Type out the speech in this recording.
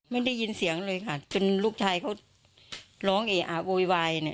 ไม่ได้ยินเสียงเลยค่ะจนลูกชายเขาล้อแหงอกบวาย